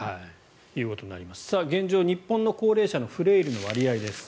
現状、日本の高齢者のフレイルの割合です。